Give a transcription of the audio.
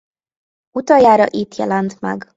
Utoljára itt jelent meg.